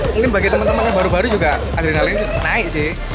mungkin bagi teman teman yang baru baru juga adrenalin naik sih